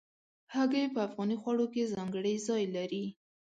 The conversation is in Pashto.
هګۍ په افغاني خوړو کې ځانګړی ځای لري.